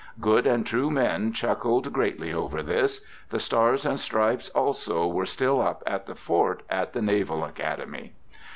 Good and true men chuckled greatly over this. The stars and stripes also were still up at the fort at the Naval Academy.